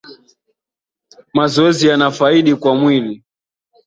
Mazoezi yana faidi kwa mwili